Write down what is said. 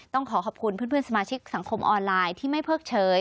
ต้องขอขอบคุณเพื่อนสมาชิกสังคมออนไลน์ที่ไม่เพิกเฉย